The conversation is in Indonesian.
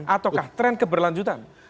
ataukah trend keberlanjutan